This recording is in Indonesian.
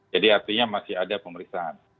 jadi artinya masih ada pemeriksaan